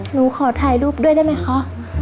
หนูขอถ่ายรูปด้วยได้ไหมคะ